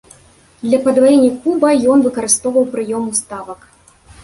Для падваення куба ён выкарыстоўваў прыём уставак.